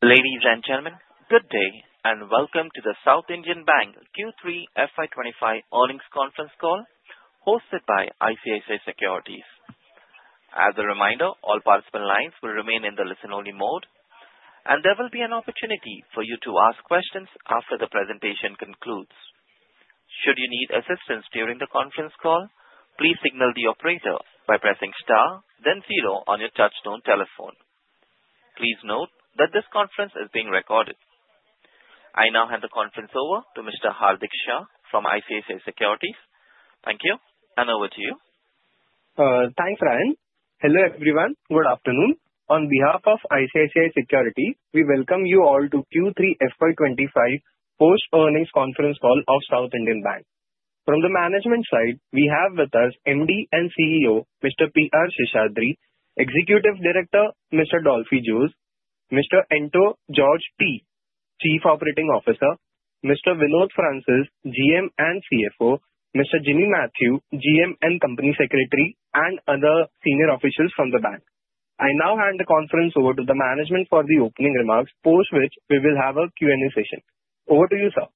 Ladies and gentlemen, good day and welcome to the South Indian Bank Q3 FY25 earnings conference call hosted by ICICI Securities. As a reminder, all participant lines will remain in the listen-only mode, and there will be an opportunity for you to ask questions after the presentation concludes. Should you need assistance during the conference call, please signal the operator by pressing star, then zero on your touch-tone telephone. Please note that this conference is being recorded. I now hand the conference over to Mr. Hardik Shah from ICICI Securities. Thank you, and over to you. Thanks, Ryan. Hello everyone, good afternoon. On behalf of ICICI Securities, we welcome you all to Q3 FY25 post-earnings conference call of South Indian Bank. From the management side, we have with us MD and CEO Mr. PR Seshadri, Executive Director Mr. Dolphy Jose, Mr. Anto George T, Chief Operating Officer, Mr. Vinod Francis, GM and CFO, Mr. Jimmy Mathew, GM and Company Secretary, and other senior officials from the bank. I now hand the conference over to the management for the opening remarks, post which we will have a Q&A session. Over to you, sir.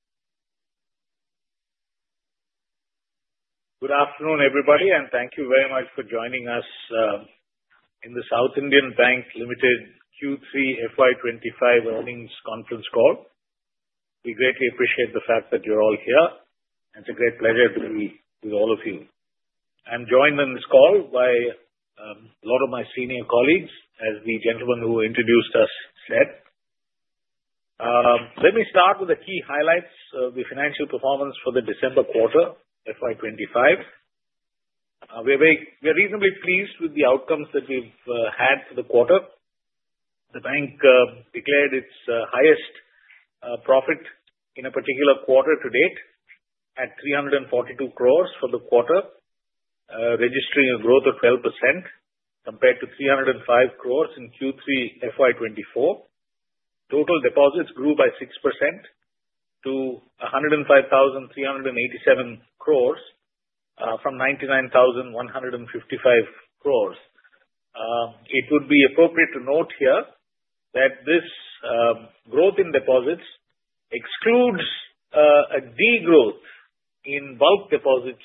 Good afternoon, everybody, and thank you very much for joining us in the South Indian Bank Limited Q3 FY25 earnings conference call. We greatly appreciate the fact that you're all here, and it's a great pleasure to be with all of you. I'm joined on this call by a lot of my senior colleagues, as the gentleman who introduced us said. Let me start with the key highlights of the financial performance for the December quarter FY25. We're reasonably pleased with the outcomes that we've had for the quarter. The bank declared its highest profit in a particular quarter to date at 342 crores for the quarter, registering a growth of 12% compared to 305 crores in Q3 FY24. Total deposits grew by 6% to 105,387 crores from 99,155 crores. It would be appropriate to note here that this growth in deposits excludes a degrowth in bulk deposits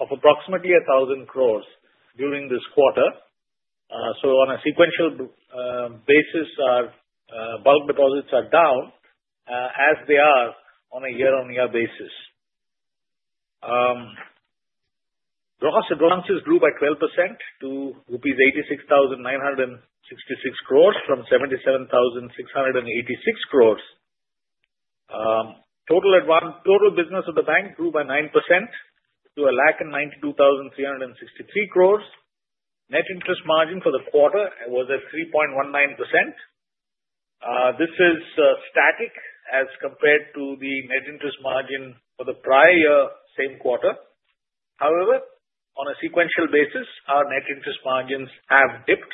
of approximately 1,000 crores during this quarter. So, on a sequential basis, bulk deposits are down as they are on a year-on-year basis. Gross advances grew by 12% to Rs 86,966 crores from 77,686 crores. Total business of the bank grew by 9% to 1,092,363 crores. Net interest margin for the quarter was at 3.19%. This is static as compared to the net interest margin for the prior same quarter. However, on a sequential basis, our net interest margins have dipped,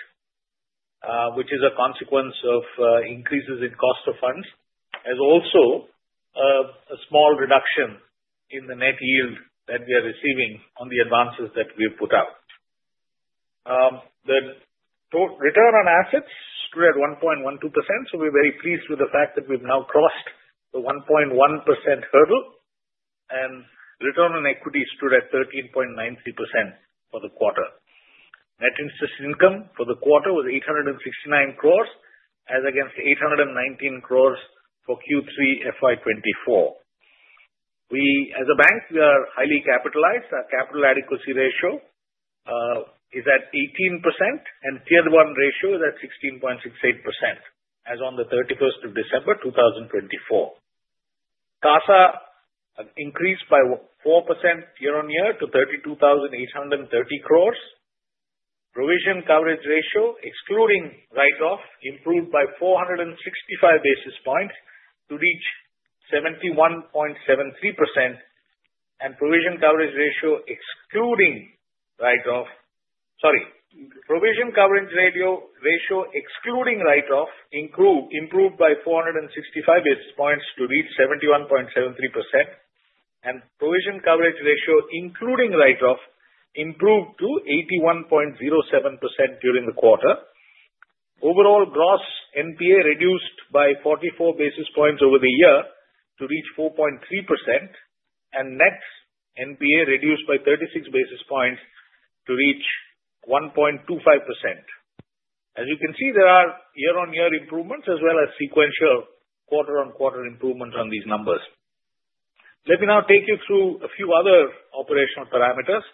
which is a consequence of increases in cost of funds, as well as a small reduction in the net yield that we are receiving on the advances that we have put out. The return on assets stood at 1.12%, so we're very pleased with the fact that we've now crossed the 1.1% hurdle, and return on equity stood at 13.93% for the quarter. Net interest income for the quarter was 869 crores, as against 819 crores for Q3 FY24. As a bank, we are highly capitalized. Our capital adequacy ratio is at 18%, and tier-one ratio is at 16.68%, as on the 31st of December 2024. CASA increased by 4% year-on-year to 32,830 crores. Provision coverage ratio, excluding write-off, improved by 465 basis points to reach 71.73%, and provision coverage ratio including write-off improved to 81.07% during the quarter.gOverall, gross NPA reduced by 44 basis points over the year to reach 4.3%, and net NPA reduced by 36 basis points to reach 1.25%. As you can see, there are year-on-year improvements as well as sequential quarter-on-quarter improvements on these numbers. Let me now take you through a few other operational parameters.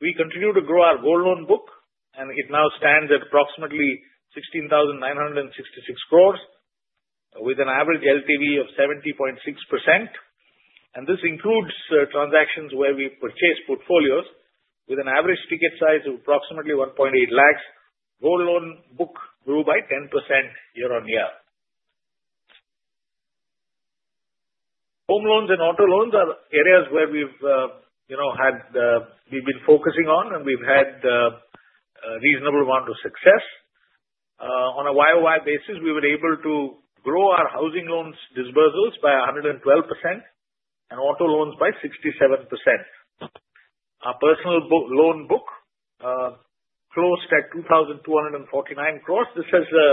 We continue to grow our gold loan book, and it now stands at approximately 16,966 crores, with an average LTV of 70.6%, and this includes transactions where we purchase portfolios, with an average ticket size of approximately 1.8 lakhs. gold loan book grew by 10% year-on-year. Home loans and auto loans are areas where we've had—we've been focusing on, and we've had a reasonable amount of success. On a YOY basis, we were able to grow our housing loans disbursals by 112% and auto loans by 67%. Our personal loan book closed at 2,249 crores. This is a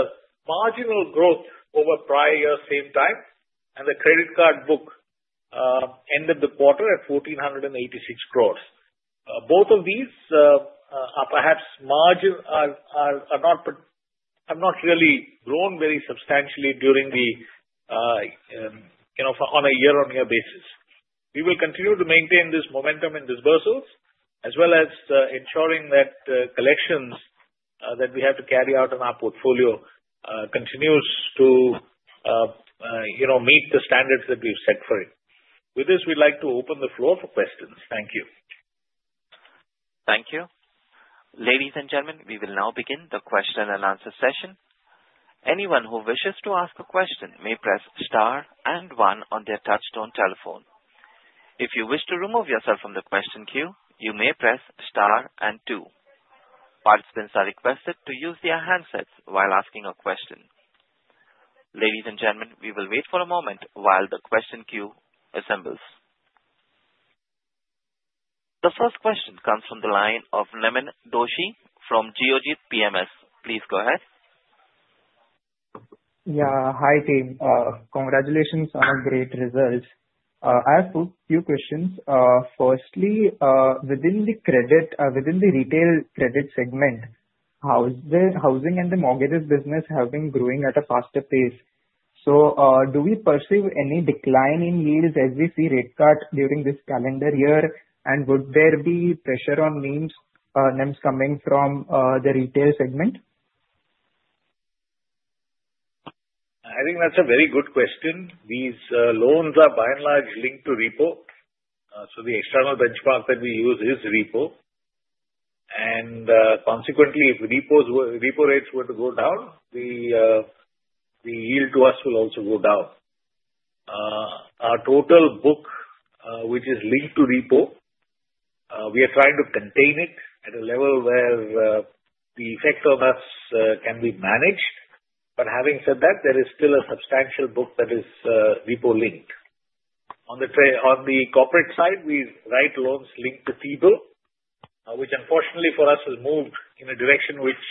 marginal growth over prior year's same time, and the credit card book ended the quarter at 1,486 crores. Both of these are perhaps not really grown very substantially on a year-on-year basis. We will continue to maintain this momentum in disbursals, as well as ensuring that collections that we have to carry out in our portfolio continue to meet the standards that we've set for it. With this, we'd like to open the floor for questions. Thank you. Thank you. Ladies and gentlemen, we will now begin the question and answer session. Anyone who wishes to ask a question may press star and one on their touch-tone telephone. If you wish to remove yourself from the question queue, you may press star and two. Participants are requested to use their handsets while asking a question. Ladies and gentlemen, we will wait for a moment while the question queue assembles. The first question comes from the line of Nemin Doshi from Geojit PMS. Please go ahead. Yeah, hi team. Congratulations on a great result. I have a few questions. Firstly, within the retail credit segment, housing and the mortgages business have been growing at a faster pace. So do we perceive any decline in yields as we see rate cuts during this calendar year? And would there be pressure on NIMs coming from the retail segment? I think that's a very good question. These loans are by and large linked to repo. So the external benchmark that we use is repo. And consequently, if repo rates were to go down, the yield to us will also go down. Our total book, which is linked to repo, we are trying to contain it at a level where the effect on us can be managed. But having said that, there is still a substantial book that is repo-linked. On the corporate side, we write loans linked to T-Bill, which unfortunately for us has moved in a direction which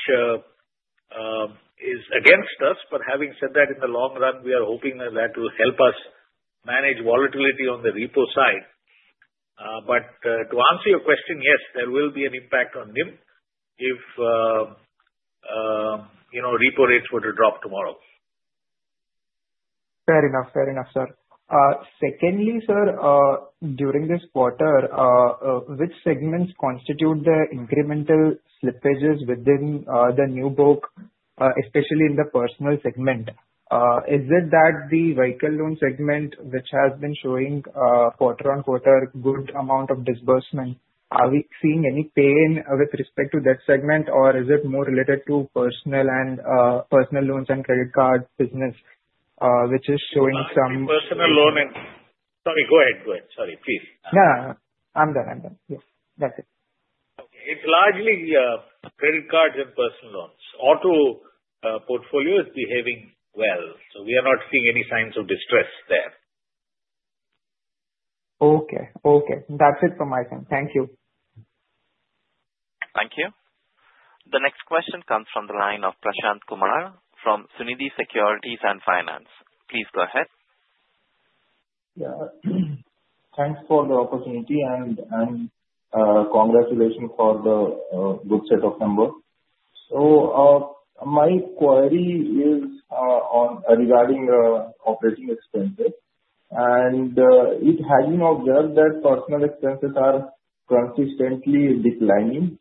is against us. But having said that, in the long run, we are hoping that that will help us manage volatility on the repo side. But to answer your question, yes, there will be an impact on them if repo rates were to drop tomorrow. Fair enough, fair enough, sir. Secondly, sir, during this quarter, which segments constitute the incremental slippages within the new book, especially in the personal segment? Is it that the vehicle loan segment, which has been showing quarter-on-quarter good amount of disbursement, are we seeing any pain with respect to that segment, or is it more related to personal and personal loans and credit card business, which is showing some? Sorry, go ahead, go ahead. Sorry, please. No, no, no. I'm done, I'm done. Yeah, that's it. Okay. It's largely credit cards and personal loans. Auto portfolio is behaving well. So we are not seeing any signs of distress there. Okay, okay. That's it from my side. Thank you. Thank you. The next question comes from the line of Prashant Kumar from Sunidhi Securities),. Please go ahead. Yeah. Thanks for the opportunity, and congratulations for the good set of numbers. So my query is regarding operating expenses. And it has been observed that personnel expenses are consistently declining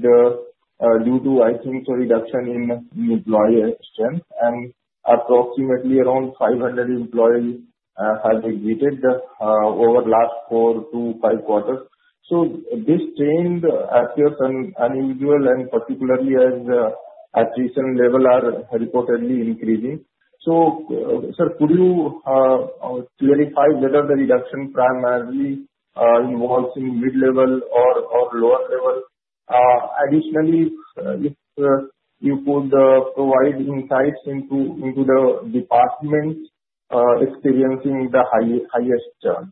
due to, I think, a reduction in employee strength. And approximately around 500 employees have exited over the last four to five quarters. So this trend appears unusual, and particularly at recent levels, are reportedly increasing. So, sir, could you clarify whether the reduction primarily involves mid-level or lower level? Additionally, if you could provide insights into the department experiencing the highest churn.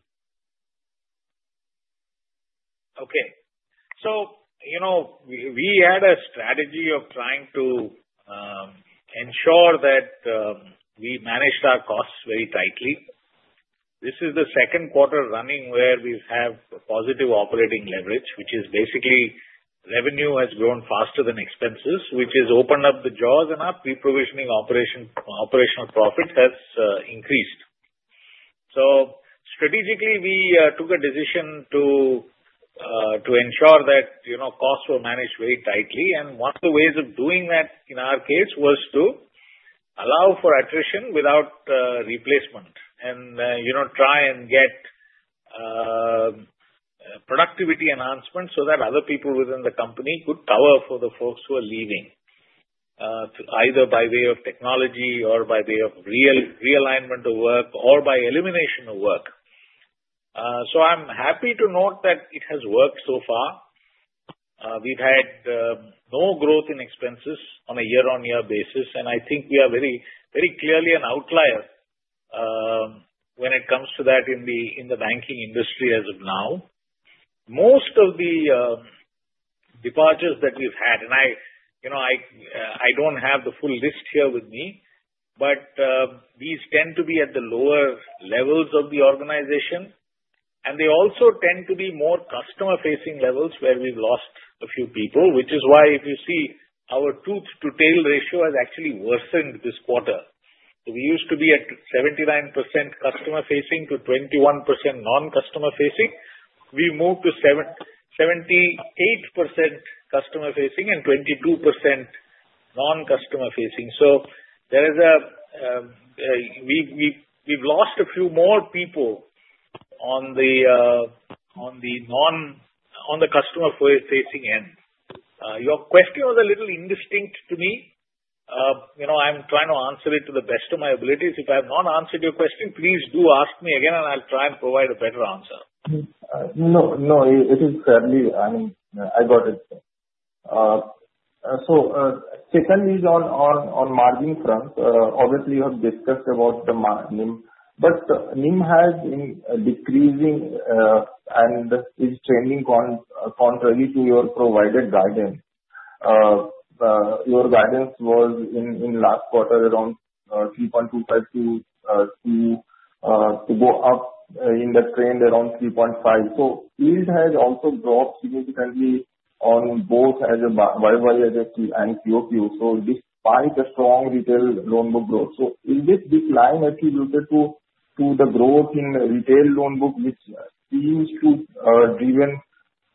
Okay. So we had a strategy of trying to ensure that we managed our costs very tightly. This is the second quarter running where we have positive operating leverage, which is basically revenue has grown faster than expenses, which has opened up the jaws, and our pre-provisioning operational profit has increased. So strategically, we took a decision to ensure that costs were managed very tightly. And one of the ways of doing that in our case was to allow for attrition without replacement and try and get productivity enhancements so that other people within the company could cover for the folks who are leaving, either by way of technology or by way of realignment of work or by elimination of work. So I'm happy to note that it has worked so far. We've had no growth in expenses on a year-on-year basis, and I think we are very clearly an outlier when it comes to that in the banking industry as of now. Most of the departures that we've had - and I don't have the full list here with me - but these tend to be at the lower levels of the organization. They also tend to be more customer-facing levels where we've lost a few people, which is why if you see our tooth-to-tail ratio has actually worsened this quarter. We used to be at 79% customer-facing to 21% non-customer-facing. We moved to 78% customer-facing and 22% non-customer-facing. So there is a - we've lost a few more people on the customer-facing end. Your question was a little indistinct to me. I'm trying to answer it to the best of my abilities. If I have not answered your question, please do ask me again, and I'll try and provide a better answer. No, no. It is fairly, I mean, I got it. So secondly, on margin front, obviously, you have discussed about the NIM, but NIM has been decreasing and is trending contrary to your provided guidance. Your guidance was in last quarter around 3.25 to go up in the trend around 3.5. So yield has also dropped significantly on both as a YoY and QoQ. So despite a strong retail loan book growth, so is this decline attributed to the growth in retail loan book, which seems to be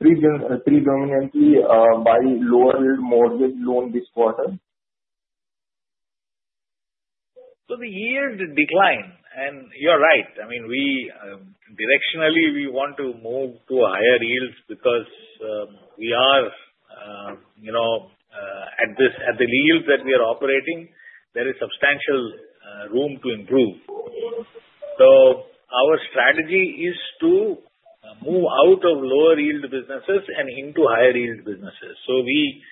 driven predominantly by lower mortgage loan this quarter? So the yield declined, and you're right. I mean, directionally, we want to move to higher yields because we are at the yield that we are operating. There is substantial room to improve. So our strategy is to move out of lower yield businesses and into higher yield businesses. So we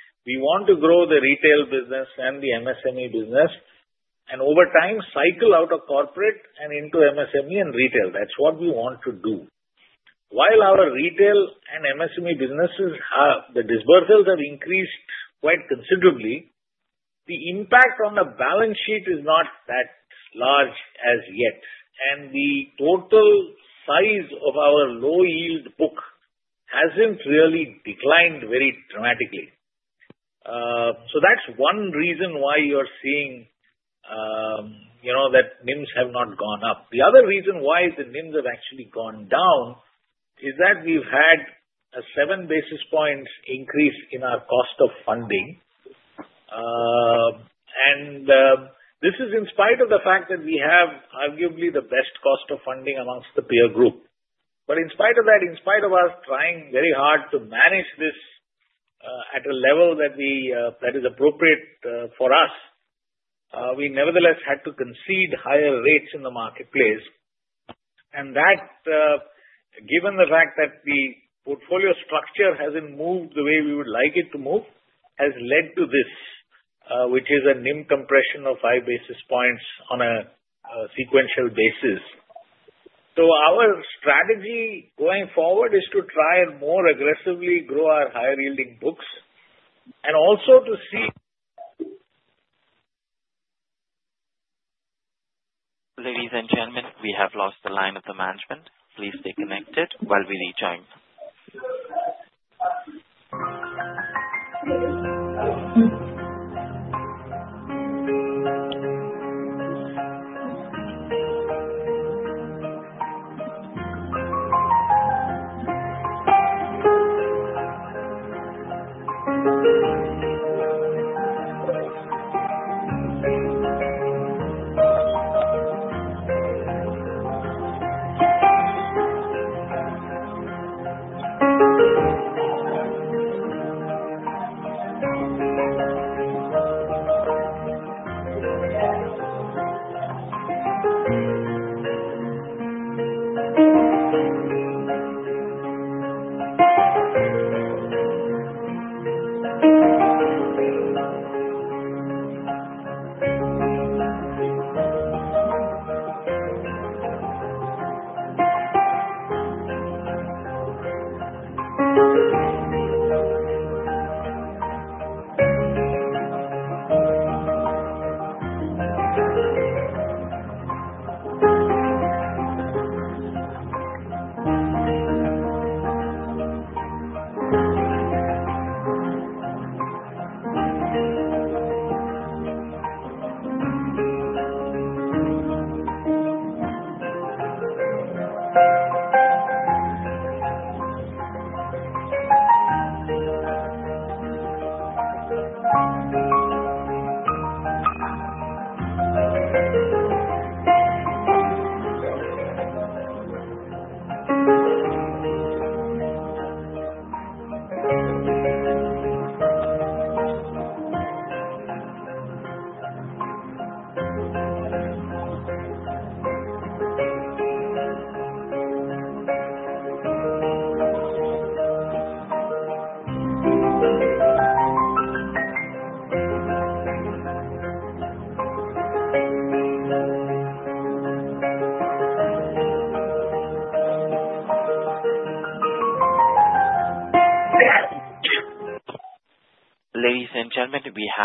want to grow the retail business and the MSME business and, over time, cycle out of corporate and into MSME and retail. That's what we want to do. While our retail and MSME businesses, the disbursals have increased quite considerably, the impact on the balance sheet is not that large as yet. And the total size of our low-yield book hasn't really declined very dramatically. So that's one reason why you're seeing that NIMs have not gone up. The other reason why the NIMs have actually gone down is that we've had a seven basis points increase in our cost of funding. And this is in spite of the fact that we have arguably the best cost of funding amongst the peer group. But in spite of that, in spite of us trying very hard to manage this at a level that is appropriate for us, we nevertheless had to concede higher rates in the marketplace. And that, given the fact that the portfolio structure hasn't moved the way we would like it to move, has led to this, which is a NIM compression of five basis points on a sequential basis. So our strategy going forward is to try and more aggressively grow our higher-yielding books and also to see. Ladies and gentlemen, we have lost the line of the management. Please stay connected while we rejoin. Ladies and gentlemen,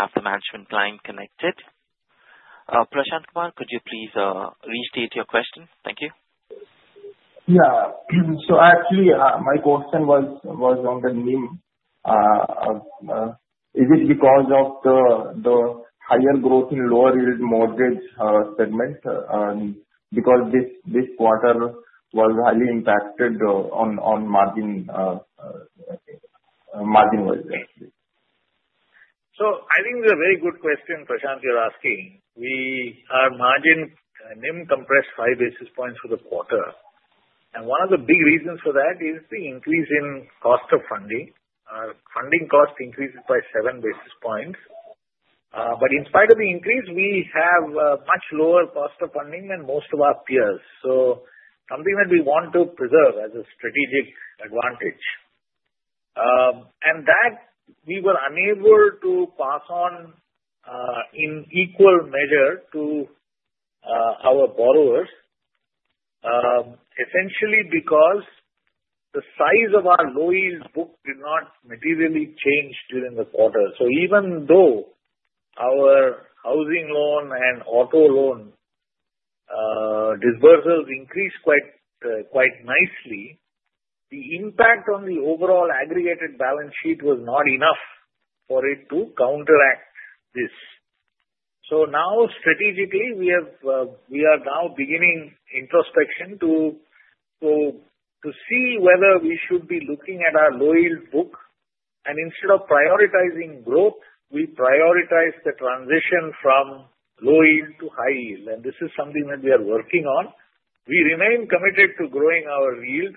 we have the management line connected. Prashant Kumar, could you please restate your question? Thank you. Yeah. So actually, my question was on the NIM. Is it because of the higher growth in lower-yield mortgage segment? Because this quarter was highly impacted on margin-wise, actually. So I think it's a very good question, Prashant, you're asking. Our margin NIM compressed five basis points for the quarter. And one of the big reasons for that is the increase in cost of funding. Our funding cost increased by seven basis points. But in spite of the increase, we have a much lower cost of funding than most of our peers. So something that we want to preserve as a strategic advantage. And that we were unable to pass on in equal measure to our borrowers, essentially because the size of our low-yield book did not materially change during the quarter. So even though our housing loan and auto loan disbursals increased quite nicely, the impact on the overall aggregated balance sheet was not enough for it to counteract this. Now, strategically, we are now beginning introspection to see whether we should be looking at our low-yield book. Instead of prioritizing growth, we prioritize the transition from low-yield to high-yield. This is something that we are working on. We remain committed to growing our yield.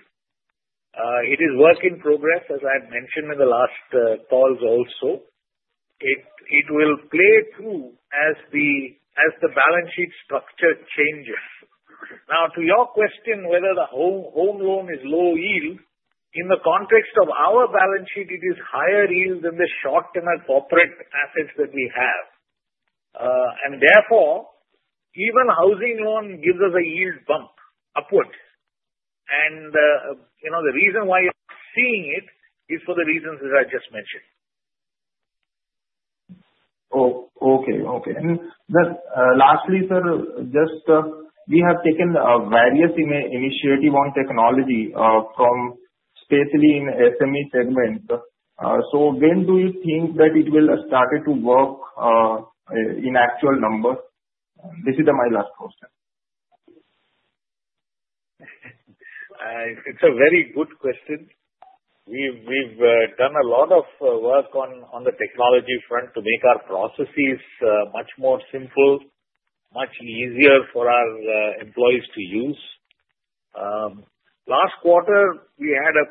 It is a work in progress, as I had mentioned in the last calls also. It will play through as the balance sheet structure changes. Now, to your question whether the home loan is low-yield, in the context of our balance sheet, it is higher-yield than the short-term corporate assets that we have. Therefore, even housing loan gives us a yield bump upward. The reason why you're seeing it is for the reasons that I just mentioned. Lastly, sir, just we have taken various initiatives on technology, especially in SME segments. So when do you think that it will start to work in actual numbers? This is my last question. It's a very good question. We've done a lot of work on the technology front to make our processes much more simple, much easier for our employees to use. Last quarter, we had a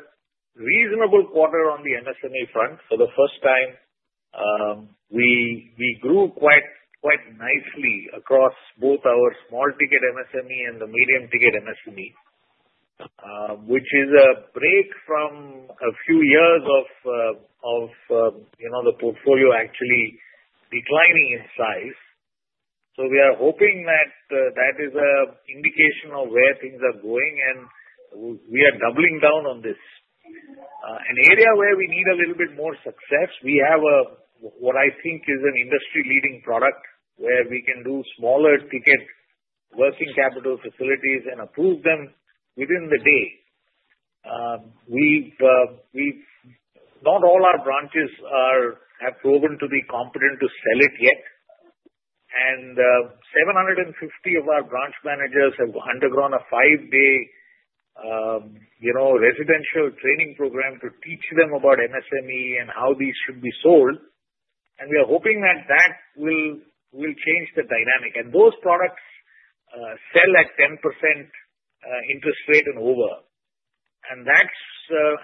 reasonable quarter on the MSME front. For the first time, we grew quite nicely across both our small-ticket MSME and the medium-ticket MSME, which is a break from a few years of the portfolio actually declining in size. So we are hoping that that is an indication of where things are going, and we are doubling down on this. An area where we need a little bit more success, we have what I think is an industry-leading product where we can do smaller-ticket working capital facilities and approve them within the day. Not all our branches have proven to be competent to sell it yet. 750 of our branch managers have undergone a five-day residential training program to teach them about MSME and how these should be sold. We are hoping that that will change the dynamic. Those products sell at 10% interest rate and over. That's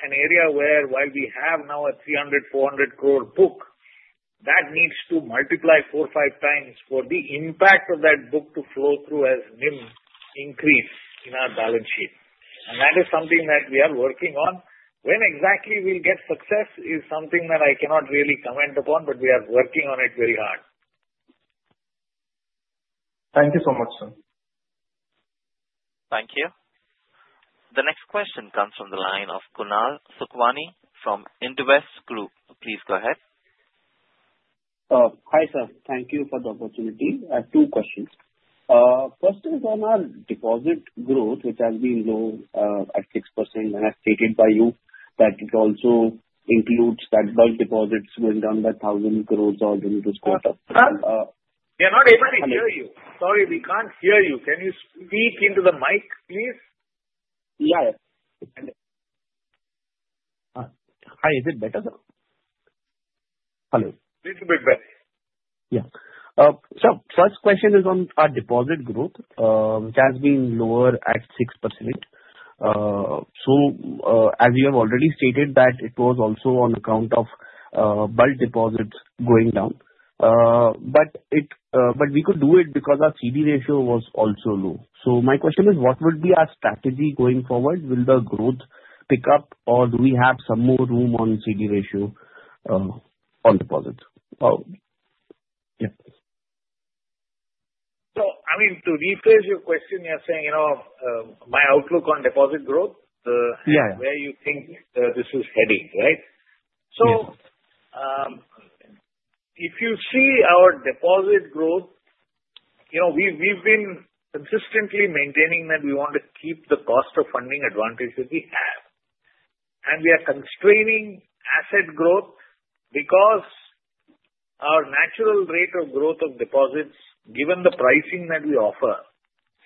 an area where, while we have now a 300-400 crore book, that needs to multiply four, five times for the impact of that book to flow through as NIM increase in our balance sheet. That is something that we are working on. When exactly we'll get success is something that I cannot really comment upon, but we are working on it very hard. Thank you so much, sir. Thank you. The next question comes from the line of Kunal Sukhmani from Indsec Securities. Please go ahead. Hi, sir. Thank you for the opportunity. I have two questions. First is on our deposit growth, which has been low at 6%, and as stated by you that it also includes that bulk deposits went down by 1,000 crores or so this quarter. We are not able to hear you. Sorry, we can't hear you. Can you speak into the mic, please? Yeah. Hi, is it better, sir? Hello. A little bit better. Yeah. So first question is on our deposit growth, which has been lower at 6%. So as you have already stated, that it was also on account of bulk deposits going down. But we could do it because our CD ratio was also low. So my question is, what would be our strategy going forward? Will the growth pick up, or do we have some more room on CD ratio on deposits? Yeah. So I mean, to rephrase your question, you're saying my outlook on deposit growth, where you think this is heading, right? So if you see our deposit growth, we've been consistently maintaining that we want to keep the cost of funding advantage that we have. And we are constraining asset growth because our natural rate of growth of deposits, given the pricing that we offer,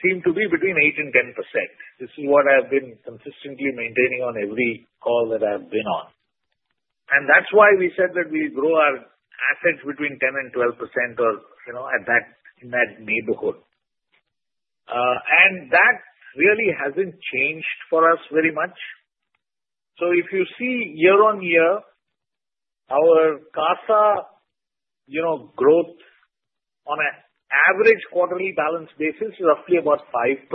seem to be between 8% and 10%. This is what I have been consistently maintaining on every call that I've been on. And that's why we said that we grow our assets between 10% and 12% or in that neighborhood. And that really hasn't changed for us very much. So if you see year on year, our CASA growth on an average quarterly balance basis is roughly about 5%,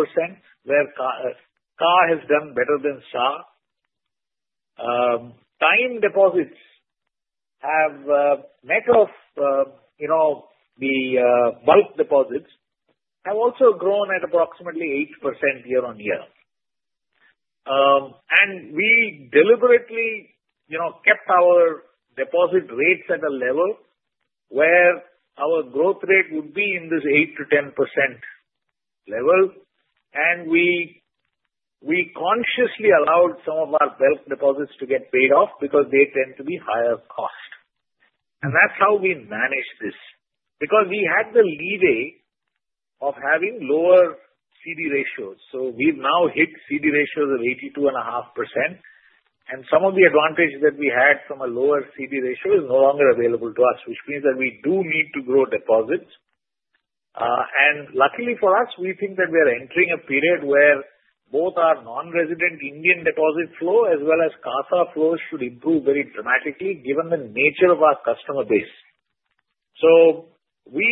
where CA has done better than SA. Retail deposits have grown, of the bulk deposits have also grown at approximately 8% year on year. And we deliberately kept our deposit rates at a level where our growth rate would be in this 8%-10% level. And we consciously allowed some of our bulk deposits to get paid off because they tend to be higher cost. And that's how we manage this. Because we had the leeway of having lower CD ratios. So we've now hit CD ratios of 82.5%. And some of the advantage that we had from a lower CD ratio is no longer available to us, which means that we do need to grow deposits. And luckily for us, we think that we are entering a period where both our non-resident Indian deposit flow as well as CASA flows should improve very dramatically, given the nature of our customer base. We,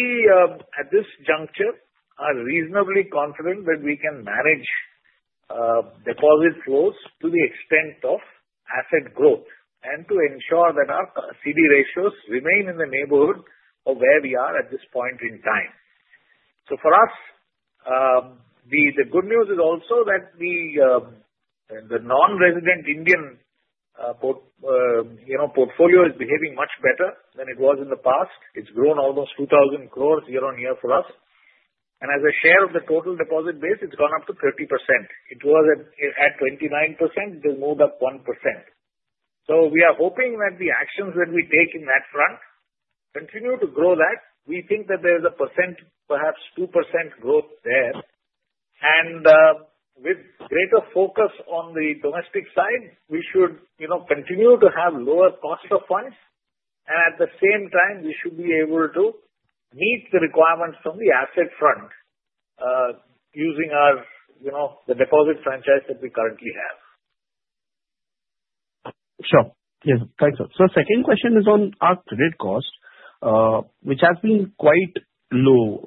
at this juncture, are reasonably confident that we can manage deposit flows to the extent of asset growth and to ensure that our CD ratios remain in the neighborhood of where we are at this point in time. For us, the good news is also that the non-resident Indian portfolio is behaving much better than it was in the past. It's grown almost 2,000 crores year on year for us. And as a share of the total deposit base, it's gone up to 30%. It had 29%. It has moved up 1%. We are hoping that the actions that we take in that front continue to grow that. We think that there is 1%, perhaps 2% growth there. And with greater focus on the domestic side, we should continue to have lower cost of funds. At the same time, we should be able to meet the requirements from the asset front using the deposit franchise that we currently have. Sure. Yes. Thanks, sir. So the second question is on our credit cost, which has been quite low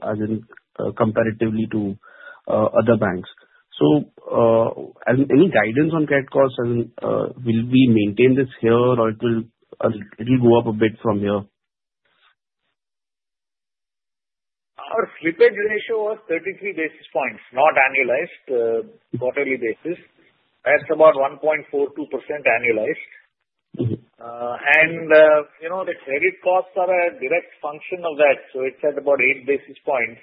comparatively to other banks. So any guidance on credit costs? Will we maintain this here, or it will go up a bit from here? Our slippage ratio was 33 basis points, not annualized, quarterly basis. That's about 1.42% annualized. And the credit costs are a direct function of that. So it's at about 8 basis points.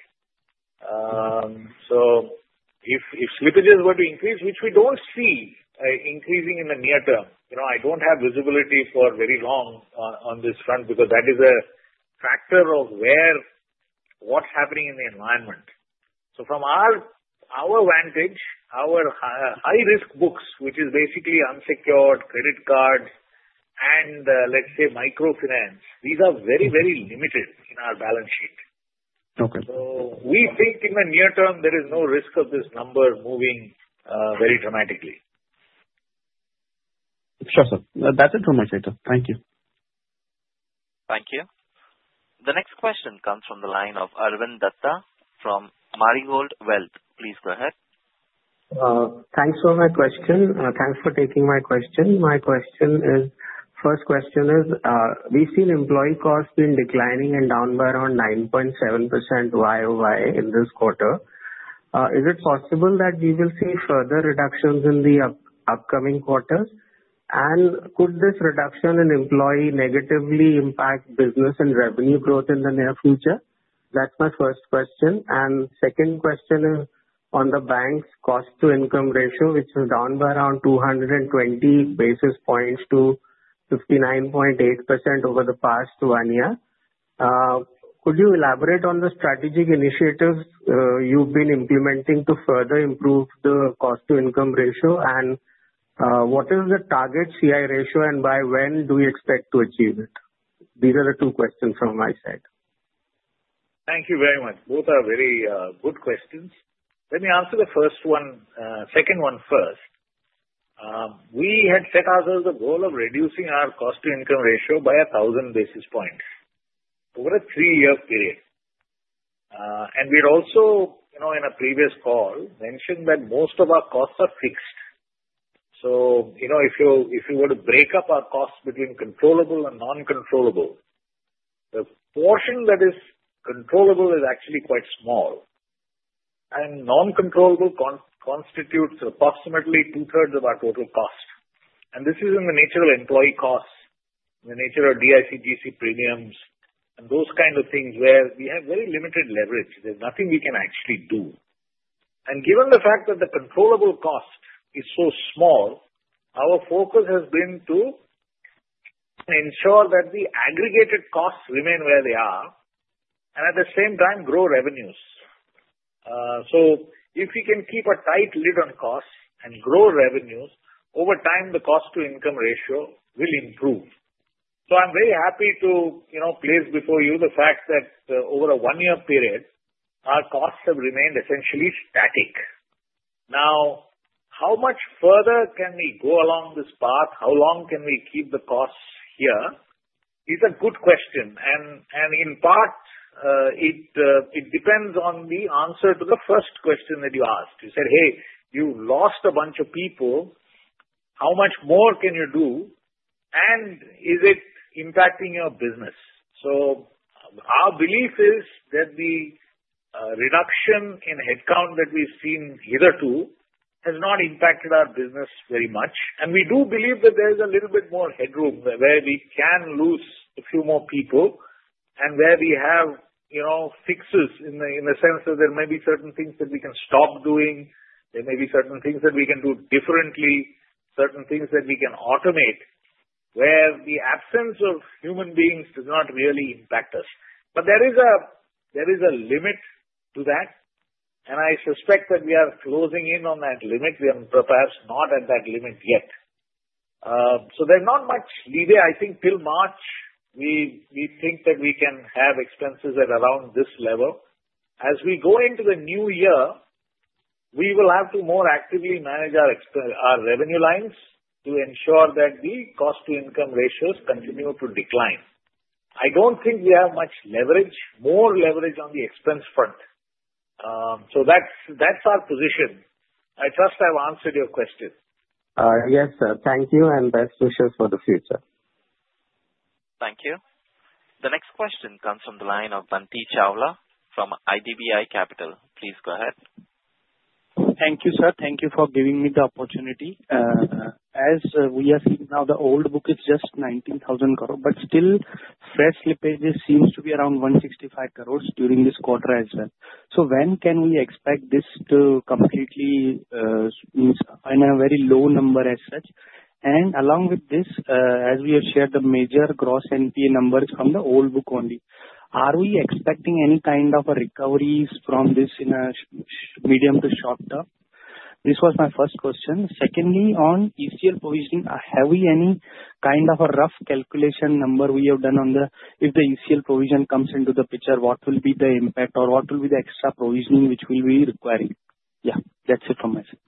So if slippages were to increase, which we don't see increasing in the near term, I don't have visibility for very long on this front because that is a factor of what's happening in the environment. So from our vantage, our high-risk books, which is basically unsecured credit cards and, let's say, microfinance, these are very, very limited in our balance sheet. So we think in the near term, there is no risk of this number moving very dramatically. Sure, sir. That's it from my side, sir. Thank you. Thank you. The next question comes from the line of Arvind Datta from Marigold Wealth. Please go ahead. Thanks for my question. Thanks for taking my question. My first question is, we've seen employee costs been declining and down by around 9.7% YOY in this quarter. Is it possible that we will see further reductions in the upcoming quarters? And could this reduction in employee negatively impact business and revenue growth in the near future? That's my first question. And second question is on the bank's cost-to-income ratio, which is down by around 220 basis points to 59.8% over the past one year. Could you elaborate on the strategic initiatives you've been implementing to further improve the cost-to-income ratio? And what is the target CI ratio, and by when do we expect to achieve it? These are the two questions from my side. Thank you very much. Both are very good questions. Let me answer the first one, second one first. We had set ourselves a goal of reducing our cost-to-income ratio by 1,000 basis points over a three-year period, and we had also, in a previous call, mentioned that most of our costs are fixed, so if you were to break up our costs between controllable and non-controllable, the portion that is controllable is actually quite small, and non-controllable constitutes approximately two-thirds of our total cost, and this is in the nature of employee costs, in the nature of DICGC premiums, and those kinds of things where we have very limited leverage. There's nothing we can actually do, and given the fact that the controllable cost is so small, our focus has been to ensure that the aggregated costs remain where they are and at the same time grow revenues. So if we can keep a tight lid on costs and grow revenues, over time, the cost-to-income ratio will improve. So I'm very happy to place before you the fact that over a one-year period, our costs have remained essentially static. Now, how much further can we go along this path? How long can we keep the costs here? It's a good question, and in part, it depends on the answer to the first question that you asked. You said, "Hey, you've lost a bunch of people. How much more can you do? And is it impacting your business?" So our belief is that the reduction in headcount that we've seen hitherto has not impacted our business very much. We do believe that there is a little bit more headroom where we can lose a few more people and where we have fixes in the sense that there may be certain things that we can stop doing. There may be certain things that we can do differently, certain things that we can automate where the absence of human beings does not really impact us. There is a limit to that. I suspect that we are closing in on that limit. We are perhaps not at that limit yet. There's not much leeway. I think till March, we think that we can have expenses at around this level. As we go into the new year, we will have to more actively manage our revenue lines to ensure that the cost-to-income ratios continue to decline. I don't think we have much leverage, more leverage on the expense front. So that's our position. I trust I've answered your question. Yes, sir. Thank you. And best wishes for the future. Thank you. The next question comes from the line of Bunty Chawla from IDBI Capital. Please go ahead. Thank you, sir. Thank you for giving me the opportunity. As we are seeing now, the old book is just 19,000 crores, but still, fresh slippages seems to be around 165 crores during this quarter as well. So when can we expect this to completely mean a very low number as such? And along with this, as we have shared the major gross NPA numbers from the old book only, are we expecting any kind of recoveries from this in a medium to short term? This was my first question. Secondly, on ECL provisioning, have we any kind of a rough calculation number we have done on the, if the ECL provision comes into the picture, what will be the impact, or what will be the extra provisioning which we'll be requiring? Yeah. That's it from my side.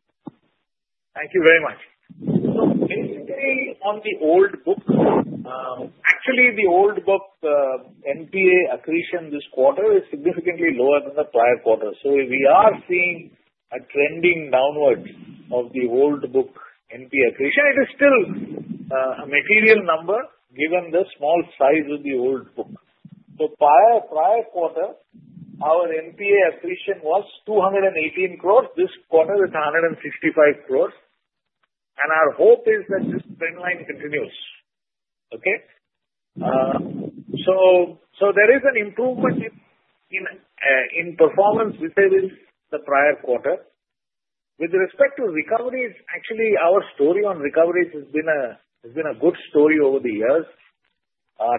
Thank you very much. So basically, on the old book, actually, the old book NPA accretion this quarter is significantly lower than the prior quarter. So we are seeing a trending downward of the old book NPA accretion. It is still a material number given the small size of the old book. The prior quarter, our NPA accretion was 218 crores. This quarter, it's 165 crores. And our hope is that this trend line continues. Okay? So there is an improvement in performance within the prior quarter. With respect to recovery, actually, our story on recoveries has been a good story over the years.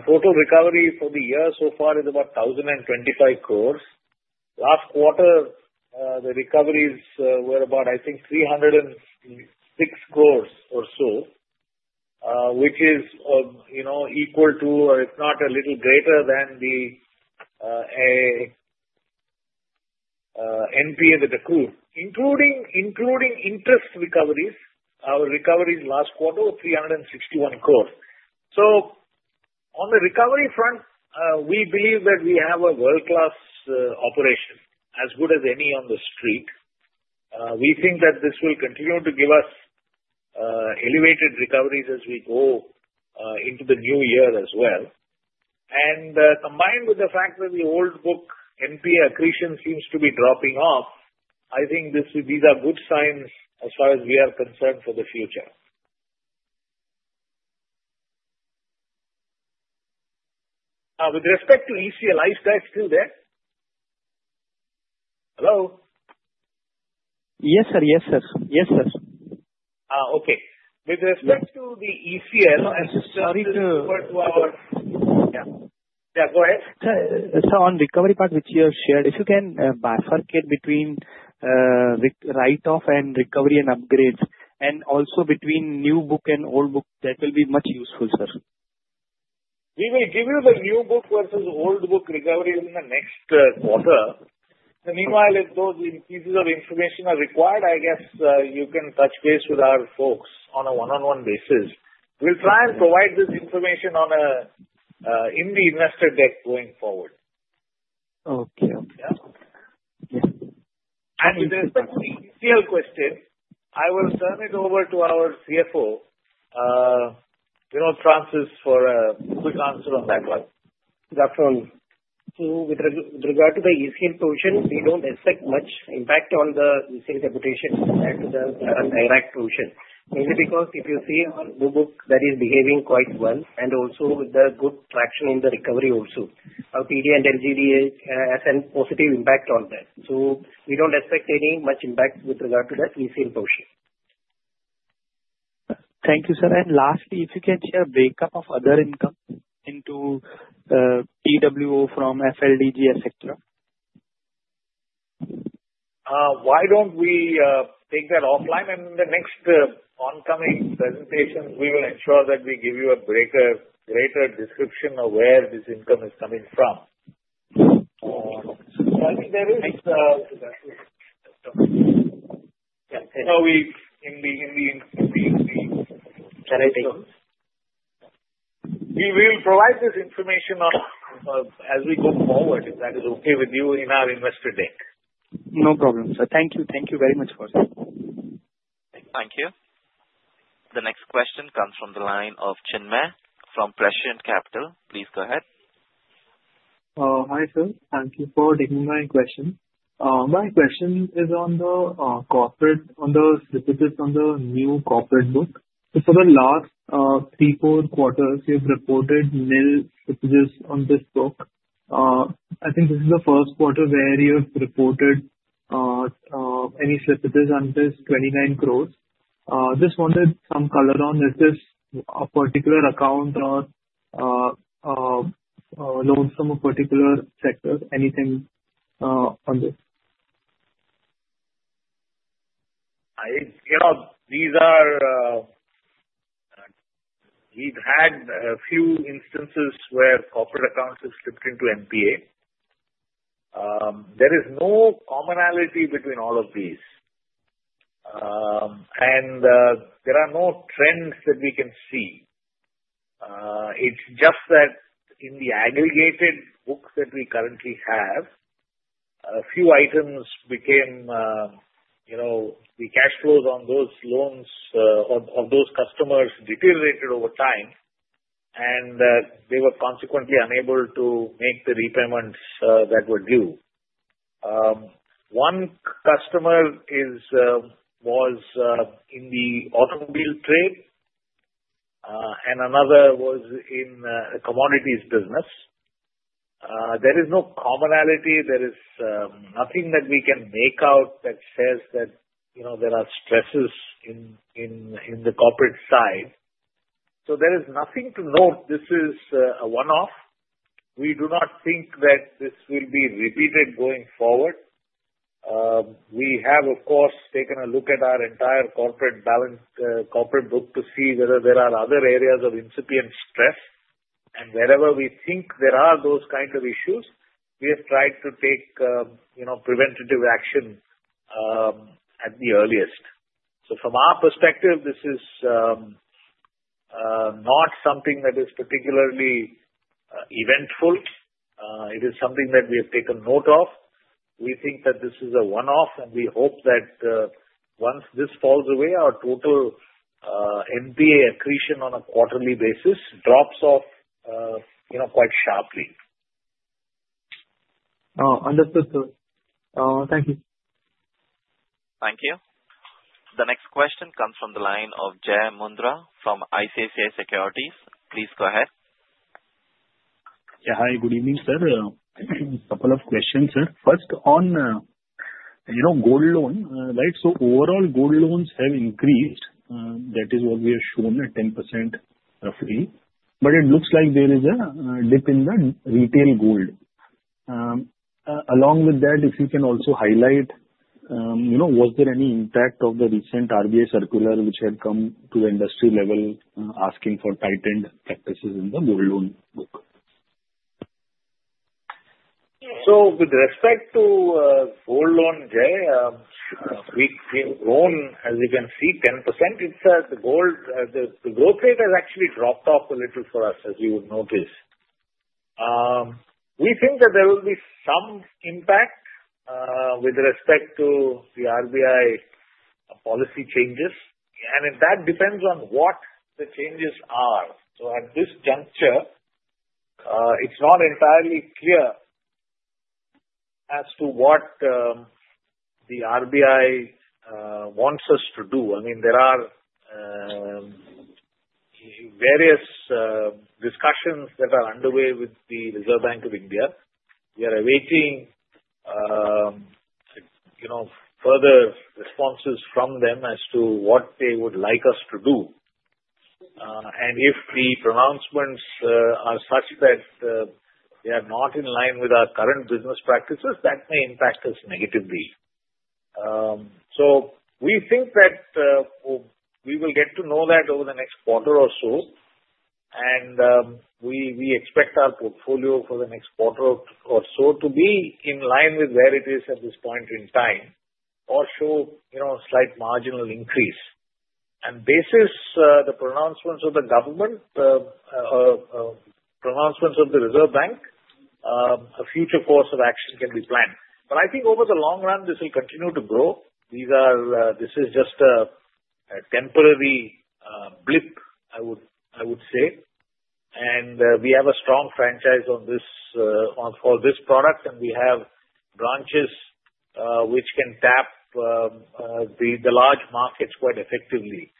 Total recovery for the year so far is about 1,025 crores. Last quarter, the recoveries were about, I think, 306 crores or so, which is equal to, if not a little greater than the NPA that occurred. Including interest recoveries, our recoveries last quarter were 361 crores. So on the recovery front, we believe that we have a world-class operation, as good as any on the street. We think that this will continue to give us elevated recoveries as we go into the new year as well. And combined with the fact that the old book NPA accretion seems to be dropping off, I think these are good signs as far as we are concerned for the future. With respect to ECL, are you still there? Hello? Yes, sir. Yes, sir. Yes, sir. Okay. With respect to the ECL, I'm sorry to refer to our. Yeah. Go ahead. Sir, on recovery part, which you have shared, if you can bifurcate between write-off and recovery and upgrades, and also between new book and old book, that will be much useful, sir. We will give you the new book versus old book recovery in the next quarter. Meanwhile, if those pieces of information are required, I guess you can touch base with our folks on a one-on-one basis. We'll try and provide this information in the investor deck going forward. Okay. Okay. With respect to the ECL question, I will turn it over to our CFO, Francis, for a quick answer on that one. That's all. So with regard to the ECL provision, we don't expect much impact on the ECL provision compared to the direct provision. Mainly because if you see our new book that is behaving quite well and also with the good traction in the recovery also, our PD and LGD has a positive impact on that. So we don't expect any much impact with regard to that ECL provision. Thank you, sir, and lastly, if you can share a break-up of other income into PWO from FLDG, etc. Why don't we take that offline, and in the next oncoming presentation, we will ensure that we give you a greater description of where this income is coming from. I think there is. Can I take? We will provide this information as we go forward, if that is okay with you, in our investor deck. No problem, sir. Thank you. Thank you very much for that. Thank you. The next question comes from the line of Chinmay from Prescient Capital. Please go ahead. Hi, sir. Thank you for taking my question. My question is on the corporate slippages on the new corporate book. So for the last three, four quarters, you've reported nil slippages on this book. I think this is the first quarter where you've reported any slippages on this 29 crores. Just wanted some color on, is this a particular account or loans from a particular sector? Anything on this? We've had a few instances where corporate accounts have slipped into NPA. There is no commonality between all of these, and there are no trends that we can see. It's just that in the aggregated book that we currently have, a few items became the cash flows on those loans of those customers deteriorated over time, and they were consequently unable to make the repayments that were due. One customer was in the automobile trade, and another was in the commodities business. There is no commonality. There is nothing that we can make out that says that there are stresses in the corporate side, so there is nothing to note. This is a one-off. We do not think that this will be repeated going forward. We have, of course, taken a look at our entire corporate book to see whether there are other areas of incipient stress. And wherever we think there are those kinds of issues, we have tried to take preventative action at the earliest. So from our perspective, this is not something that is particularly eventful. It is something that we have taken note of. We think that this is a one-off, and we hope that once this falls away, our total NPA accretion on a quarterly basis drops off quite sharply. Understood, sir. Thank you. Thank you. The next question comes from the line of Jai Mundhra from ICICI Securities. Please go ahead. Yeah. Hi. Good evening, sir. A couple of questions, sir. First, on gold loan, right? So overall, gold loans have increased. That is what we have shown at 10% roughly. But it looks like there is a dip in the retail gold. Along with that, if you can also highlight, was there any impact of the recent RBI circular which had come to the industry level asking for tightened practices in the gold loan book? So with respect to gold loan, Jay, we've grown, as you can see, 10%. The growth rate has actually dropped off a little for us, as you would notice. We think that there will be some impact with respect to the RBI policy changes. And that depends on what the changes are. So at this juncture, it's not entirely clear as to what the RBI wants us to do. I mean, there are various discussions that are underway with the Reserve Bank of India. We are awaiting further responses from them as to what they would like us to do. And if the pronouncements are such that they are not in line with our current business practices, that may impact us negatively. So we think that we will get to know that over the next quarter or so. And we expect our portfolio for the next quarter or so to be in line with where it is at this point in time or show a slight marginal increase. And based on the pronouncements of the government, pronouncements of the Reserve Bank, a future course of action can be planned. But I think over the long run, this will continue to grow. This is just a temporary blip, I would say. And we have a strong franchise for this product, and we have branches which can tap the large markets quite effectively.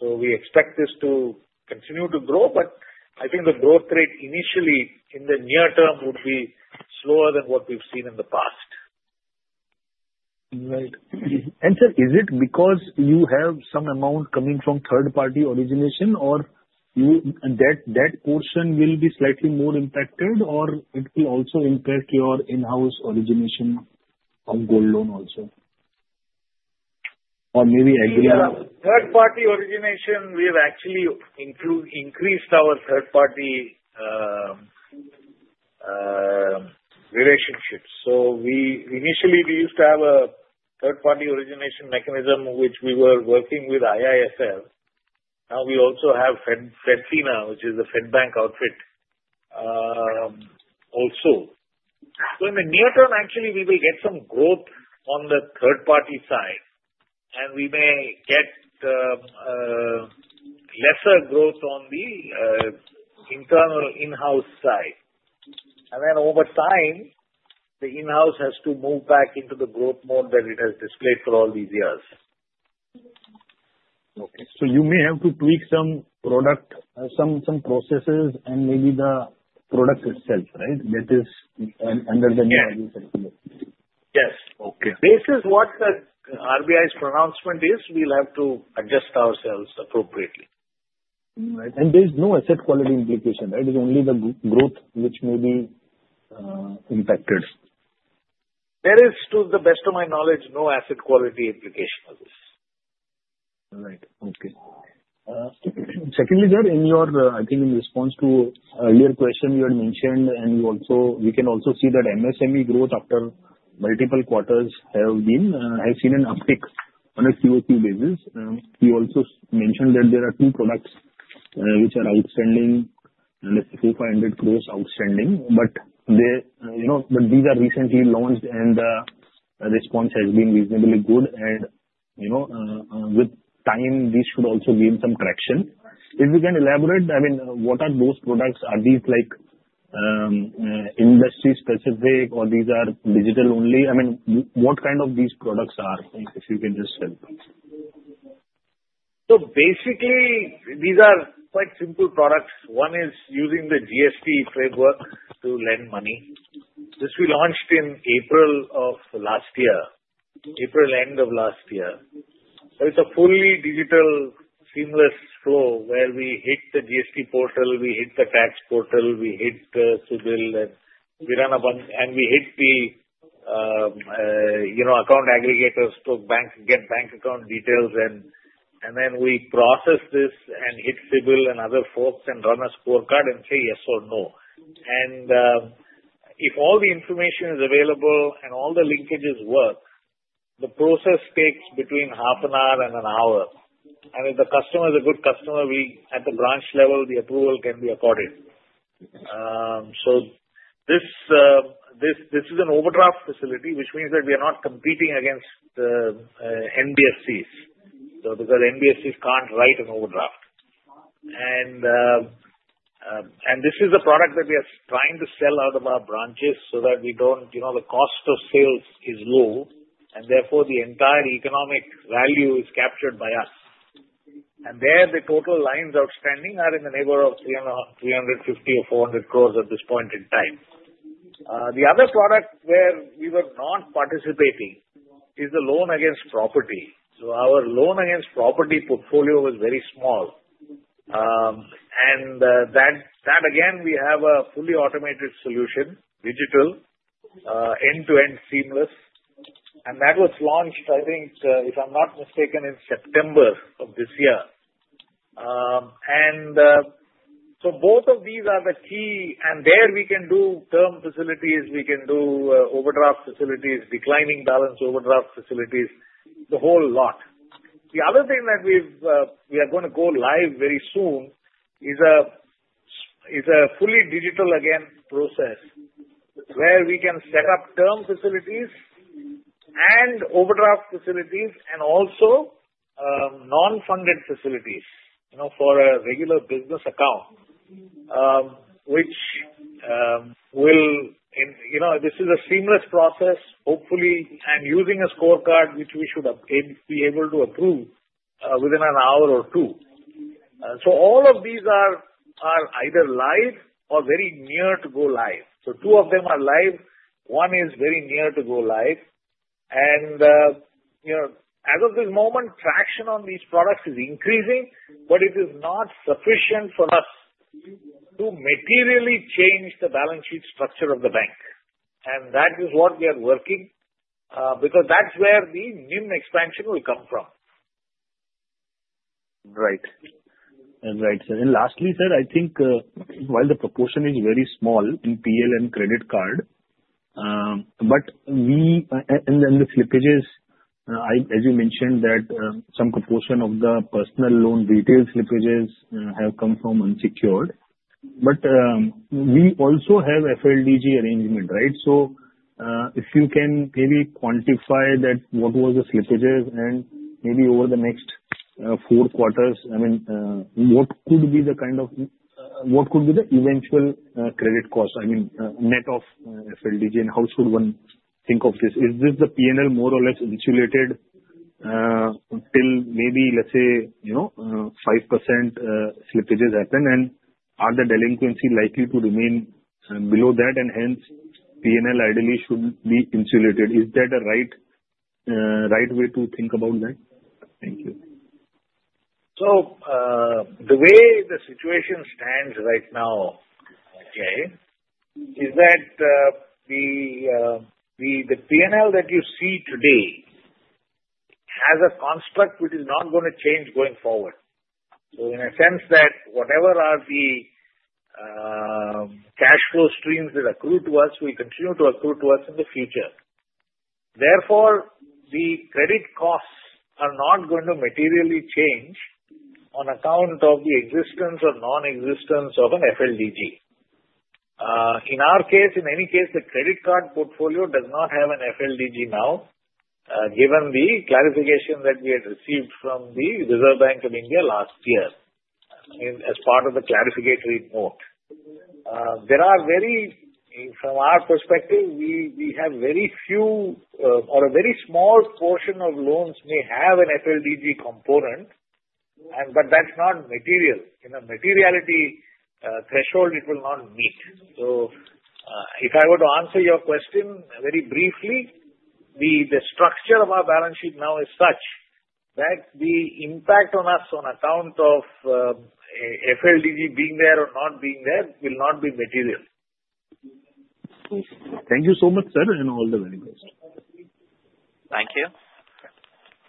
So we expect this to continue to grow, but I think the growth rate initially in the near term would be slower than what we've seen in the past. Right. And sir, is it because you have some amount coming from third-party origination, or that portion will be slightly more impacted, or it will also impact your in-house origination of gold loan also? Or maybe agree on that? Third-party origination, we have actually increased our third-party relationships. So initially, we used to have a third-party origination mechanism which we were working with IIFL. Now we also have FedFina, which is the Fed Bank outfit also. So in the near term, actually, we will get some growth on the third-party side, and we may get lesser growth on the internal in-house side. And then over time, the in-house has to move back into the growth mode that it has displayed for all these years. Okay. So you may have to tweak some product, some processes, and maybe the product itself, right? That is under the new RBI circular. Yes. Based on what the RBI's pronouncement is, we'll have to adjust ourselves appropriately. There's no asset quality implication, right? It's only the growth which may be impacted. There is, to the best of my knowledge, no asset quality implication of this. Right. Okay. Secondly, sir, in your, I think in response to earlier question, you had mentioned, and we can also see that MSME growth after multiple quarters has seen an uptick on a few basis points. You also mentioned that there are two products which are outstanding, and it's 400 crores outstanding. But these are recently launched, and the response has been reasonably good. And with time, these should also gain some traction. If you can elaborate, I mean, what are those products? Are these industry-specific, or these are digital-only? I mean, what kind of these products are, if you can just tell? So basically, these are quite simple products. One is using the GST framework to lend money. This we launched in April of last year, April end of last year. So it's a fully digital seamless flow where we hit the GST portal, we hit the tax portal, we hit CIBIL, and we run a bunch, and we hit the Account Aggregator stroke bank, get bank account details, and then we process this and hit CIBIL and other folks and run a scorecard and say yes or no. And if all the information is available and all the linkages work, the process takes between half an hour and an hour. And if the customer is a good customer, at the branch level, the approval can be accorded. So this is an overdraft facility, which means that we are not competing against NBFCs because NBFCs can't write an overdraft. This is a product that we are trying to sell out of our branches so that the cost of sales is low, and therefore the entire economic value is captured by us. There, the total lines outstanding are in the neighborhood of 350-400 crore at this point in time. The other product where we were not participating is the loan against property. Our loan against property portfolio was very small. That, again, we have a fully automated solution, digital, end-to-end seamless. That was launched, I think, if I'm not mistaken, in September of this year. Both of these are the key. There we can do term facilities, we can do overdraft facilities, declining balance overdraft facilities, the whole lot. The other thing that we are going to go live very soon is a fully digital, again, process where we can set up term facilities and overdraft facilities and also non-funded facilities for a regular business account. This is a seamless process, hopefully, and using a scorecard, which we should be able to approve within an hour or two. All of these are either live or very near to go live. Two of them are live. One is very near to go live. As of this moment, traction on these products is increasing, but it is not sufficient for us to materially change the balance sheet structure of the bank. That is what we are working because that's where the NIM expansion will come from. Right. Right, sir, and lastly, sir, I think while the proportion is very small in PLN credit card, but then the slippages, as you mentioned, that some proportion of the personal loan retail slippages have come from unsecured, but we also have FLDG arrangement, right, so if you can maybe quantify that, what were the slippages, and maybe over the next four quarters, I mean, what could be the eventual credit cost, I mean, net of FLDG, and how should one think of this? Is this the P&L more or less insulated until maybe, let's say, 5% slippages happen, and are the delinquency likely to remain below that, and hence P&L ideally should be insulated? Is that a right way to think about that? Thank you. So the way the situation stands right now, Jay, is that the P&L that you see today has a construct which is not going to change going forward. So in a sense that whatever are the cash flow streams that accrue to us, will continue to accrue to us in the future. Therefore, the credit costs are not going to materially change on account of the existence or non-existence of an FLDG. In our case, in any case, the credit card portfolio does not have an FLDG now, given the clarification that we had received from the Reserve Bank of India last year as part of the clarificatory note. From our perspective, we have very few or a very small portion of loans may have an FLDG component, but that's not material. The materiality threshold, it will not meet. So if I were to answer your question very briefly, the structure of our balance sheet now is such that the impact on us on account of FLDG being there or not being there will not be material. Thank you so much, sir, and all the very best. Thank you.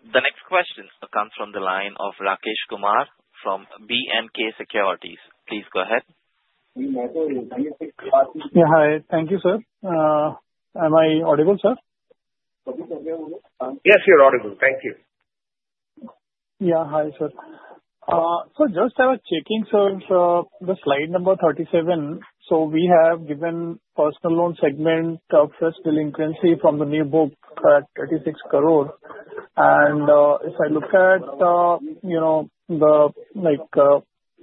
The next question comes from the line of Rakesh Kumar from B&K Securities. Please go ahead. Yeah. Hi. Thank you, sir. Am I audible, sir? Yes, you're audible. Thank you. Yeah. Hi, sir. So just checking, sir, the slide number 37. So we have given personal loan segment of first delinquency from the new book at 36 crore. And if I look at the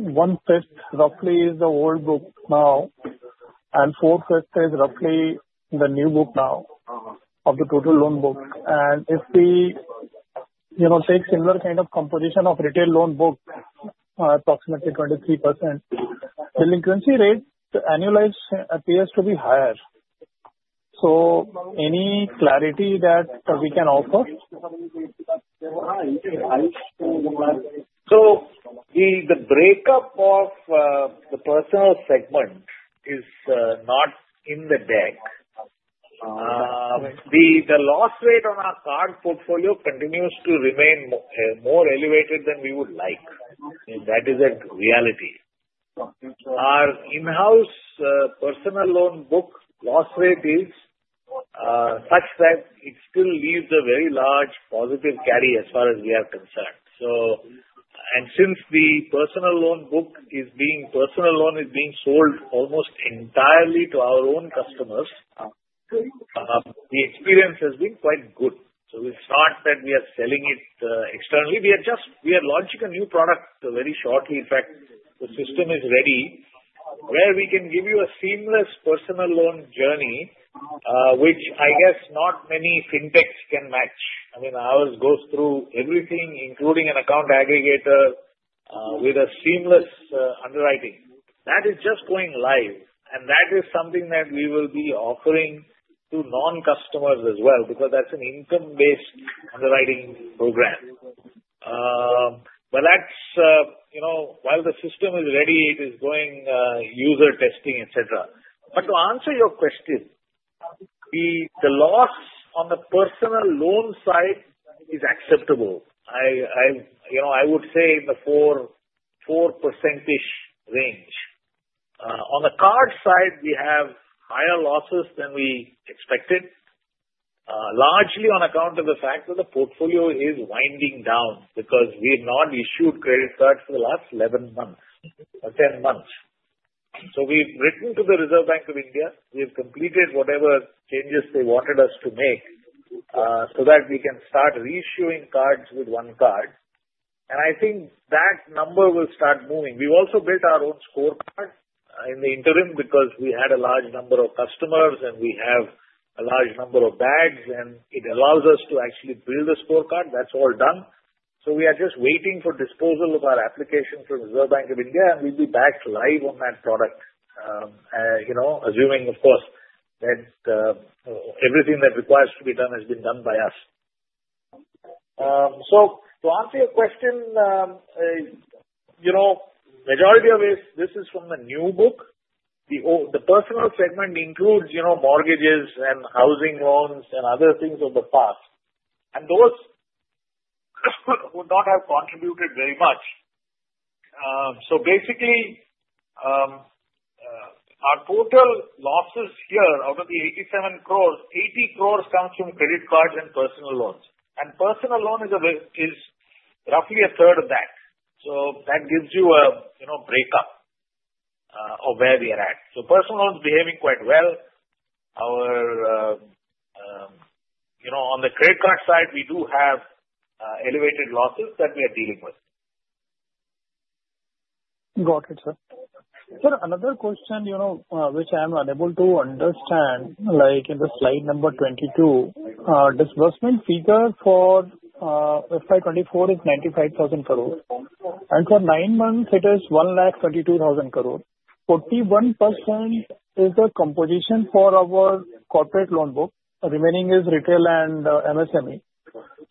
one-fifth, roughly, is the old book now, and four-fifths is roughly the new book now of the total loan book. And if we take similar kind of composition of retail loan book, approximately 23% delinquency rate annualized appears to be higher. So any clarity that we can offer? So the breakup of the personal segment is not in the bag. The loss rate on our card portfolio continues to remain more elevated than we would like. That is a reality. Our in-house personal loan book loss rate is such that it still leaves a very large positive carry as far as we are concerned. And since the personal loan book is being sold almost entirely to our own customers, the experience has been quite good. So it's not that we are selling it externally. We are launching a new product very shortly. In fact, the system is ready where we can give you a seamless personal loan journey, which I guess not many fintechs can match. I mean, ours goes through everything, including an account aggregator, with a seamless underwriting. That is just going live. That is something that we will be offering to non-customers as well because that's an income-based underwriting program. While the system is ready, it is going user testing, etc. To answer your question, the loss on the personal loan side is acceptable. I would say in the 4%-ish range. On the card side, we have higher losses than we expected, largely on account of the fact that the portfolio is winding down because we have not issued credit cards for the last 11 months or 10 months. We've written to the Reserve Bank of India. We have completed whatever changes they wanted us to make so that we can start reissuing cards with OneCard. I think that number will start moving. We've also built our own scorecard in the interim because we had a large number of customers, and we have a large number of bags, and it allows us to actually build a scorecard. That's all done. So we are just waiting for disposal of our application from Reserve Bank of India, and we'll be back live on that product, assuming, of course, that everything that requires to be done has been done by us. So to answer your question, majority of this, this is from the new book. The personal segment includes mortgages and housing loans and other things of the past. And those would not have contributed very much. So basically, our total losses here out of the 87 crores, 80 crores comes from credit cards and personal loans. And personal loan is roughly a third of that. So that gives you a breakup of where we are at. So personal loans are behaving quite well. On the credit card side, we do have elevated losses that we are dealing with. Got it, sir. Sir, another question which I am unable to understand. In the slide number 22, disbursement figure for FY 24 is 95,000 crores. For nine months, it is 132,000 crores. 41% is the composition for our corporate loan book. The remaining is retail and MSME.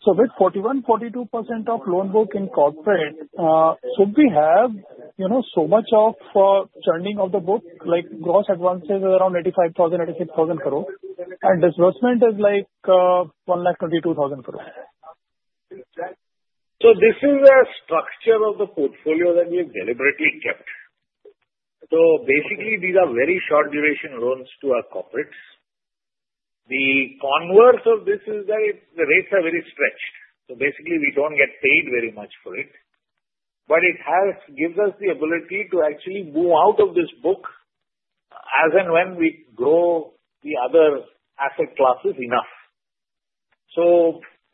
With 41-42% of loan book in corporate, should we have so much of churning of the book, like gross advances around 85,000-86,000 crores? Disbursement is like 122,000 crores. This is a structure of the portfolio that we have deliberately kept. Basically, these are very short duration loans to our corporates. The converse of this is that the rates are very stretched. Basically, we don't get paid very much for it. But it gives us the ability to actually move out of this book as and when we grow the other asset classes enough.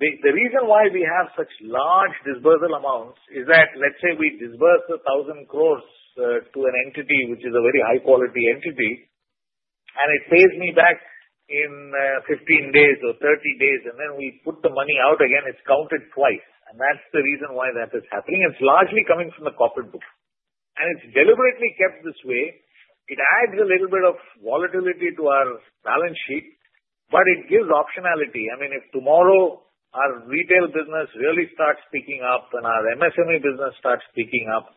The reason why we have such large disbursal amounts is that, let's say we disburse 1,000 crores to an entity, which is a very high-quality entity, and it pays me back in 15 days or 30 days, and then we put the money out again, it's counted twice. And that's the reason why that is happening. It's largely coming from the corporate book. And it's deliberately kept this way. It adds a little bit of volatility to our balance sheet, but it gives optionality. I mean, if tomorrow our retail business really starts picking up and our MSME business starts picking up,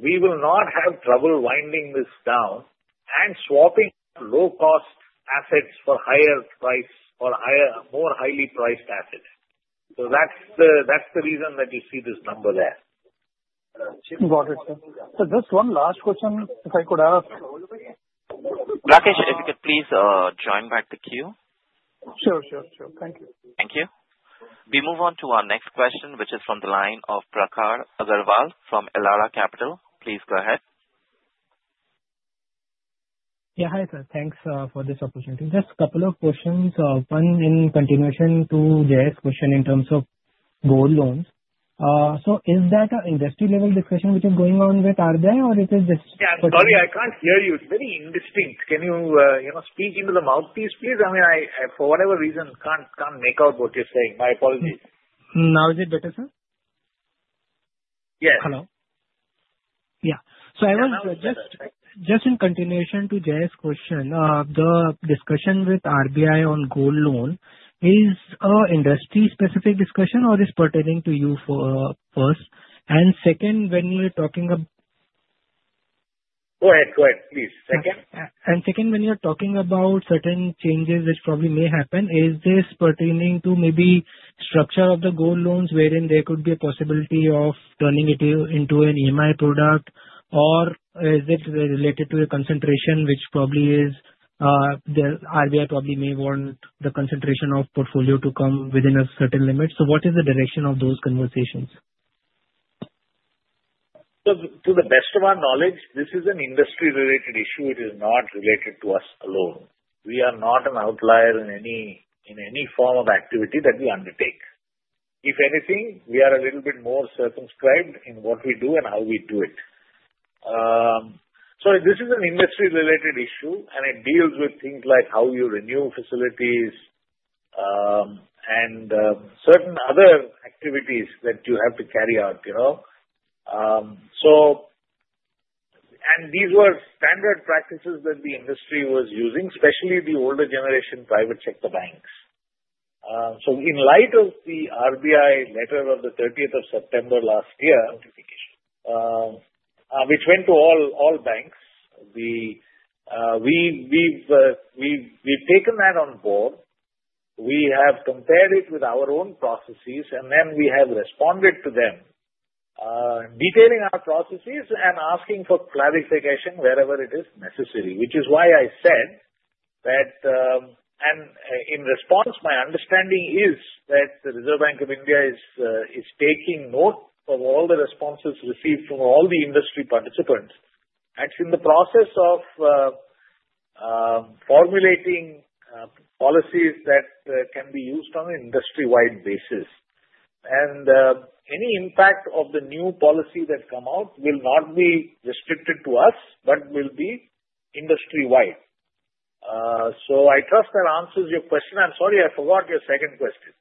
we will not have trouble winding this down and swapping low-cost assets for higher price or more highly priced assets. So that's the reason that you see this number there. Got it, sir. So just one last question, if I could ask. Rakesh, if you could please join back the queue. Sure, sure, sure. Thank you. Thank you. We move on to our next question, which is from the line of Prakhar Agarwal from Elara Capital. Please go ahead. Yeah. Hi, sir. Thanks for this opportunity. Just a couple of questions. One in continuation to Jai's question in terms of gold loans. So is that an industry-level discussion which is going on with RBI, or is it just? Yeah. Sorry, I can't hear you. It's very indistinct. Can you speak into the mouthpiece, please? I mean, for whatever reason, I can't make out what you're saying. My apologies. Now is it better, sir? Yes. Hello. Yeah. So I was just in continuation to Jai's question, the discussion with RBI on gold loan, is it an industry-specific discussion, or is it pertaining to you first? And second, when you're talking about. Go ahead. Go ahead, please. Second? Second, when you're talking about certain changes which probably may happen, is this pertaining to maybe the structure of the gold loans wherein there could be a possibility of turning it into an EMI product, or is it related to a concentration which probably is the RBI probably may want the concentration of portfolio to come within a certain limit? So what is the direction of those conversations? To the best of our knowledge, this is an industry-related issue. It is not related to us alone. We are not an outlier in any form of activity that we undertake. If anything, we are a little bit more circumscribed in what we do and how we do it. So this is an industry-related issue, and it deals with things like how you renew facilities and certain other activities that you have to carry out. And these were standard practices that the industry was using, especially the older generation private sector banks. So in light of the RBI letter of the 30th of September last year, which went to all banks, we've taken that on board. We have compared it with our own processes, and then we have responded to them, detailing our processes and asking for clarification wherever it is necessary, which is why I said that. In response, my understanding is that the Reserve Bank of India is taking note of all the responses received from all the industry participants. It's in the process of formulating policies that can be used on an industry-wide basis. Any impact of the new policy that comes out will not be restricted to us, but will be industry-wide. I trust that answers your question. I'm sorry, I forgot your second question.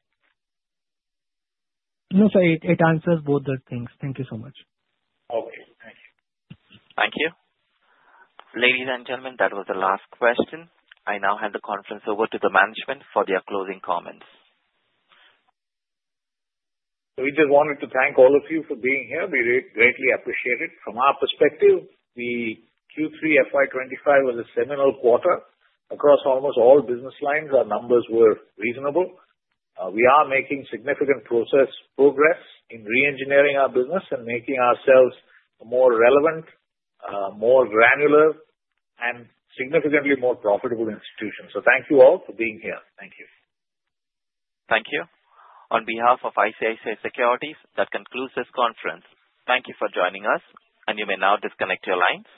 No, sir. It answers both the things. Thank you so much. Okay. Thank you. Thank you. Ladies and gentlemen, that was the last question. I now hand the conference over to the management for their closing comments. We just wanted to thank all of you for being here. We greatly appreciate it. From our perspective, Q3 FY 25 was a seminal quarter. Across almost all business lines, our numbers were reasonable. We are making significant progress in re-engineering our business and making ourselves a more relevant, more granular, and significantly more profitable institution. So thank you all for being here. Thank you. Thank you. On behalf of ICICI Securities, that concludes this conference. Thank you for joining us, and you may now disconnect your lines.